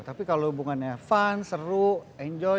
tapi kalau hubungannya fun seru enjoy